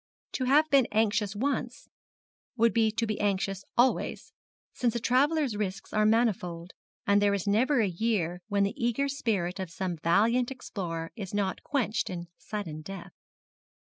To have been anxious once would be to be anxious always, since a traveller's risks are manifold, and there is never a year when the eager spirit of some valiant explorer is not quenched in sudden death.